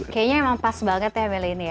kayaknya emang pas banget ya mel ini ya